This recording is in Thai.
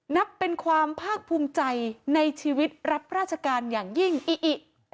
นับเป็นความภาคภูมิใจในชีวิตรับราชการอย่างยิ่งอิอิ